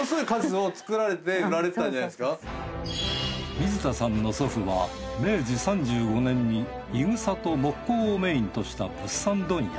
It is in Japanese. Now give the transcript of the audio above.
水田さんの祖父は明治３５年にい草と木工をメインとした物産問屋